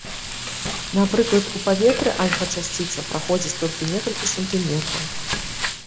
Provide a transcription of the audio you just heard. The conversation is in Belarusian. Напрыклад, у паветры альфа-часціца праходзіць толькі некалькі сантыметраў.